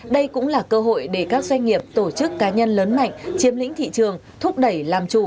đây cũng là cơ hội để các doanh nghiệp tổ chức cá nhân lớn mạnh chiếm lĩnh thị trường thúc đẩy làm chủ